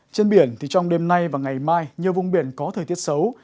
trên biển thì trong đêm nay và ngày mai nhiều vùng biển có thời tiết xấu